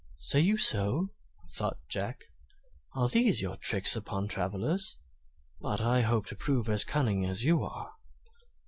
"Say you so?" thought Jack. "Are these your tricks upon travelers? But I hope to prove as cunning as you are."